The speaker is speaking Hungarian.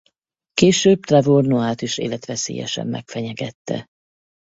Később Trevor Noah-t is életveszélyesen megfenyegette.